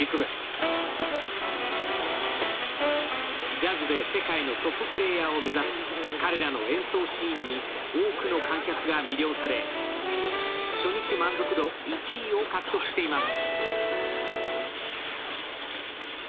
ジャズで世界のトッププレーヤーを目指す彼らの演奏シーンに多くの観客が魅了され、初日満足度１位を獲得しています。